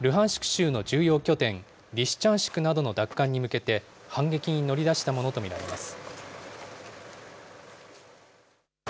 州の重要拠点、リシチャンシクなどの奪還に向けて、反撃に乗り出したものと見られます。